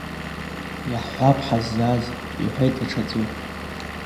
Иаҳҳәап ҳаззааз, — иҳәеит даҽаӡәы.